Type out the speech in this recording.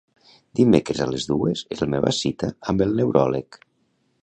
Dimecres a les dues és la meva cita amb el neuròleg.